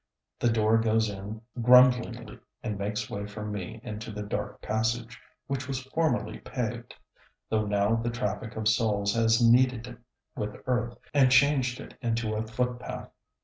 The door goes in grumblingly, and makes way for me into the dark passage, which was formerly paved, though now the traffic of soles has kneaded it with earth, and changed it into a footpath.